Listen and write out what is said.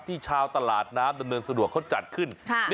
ชาวตลาดน้ำดำเนินสะดวกเขาจัดขึ้น